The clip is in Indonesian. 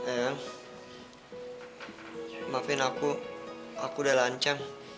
ayang maafin aku aku udah lancang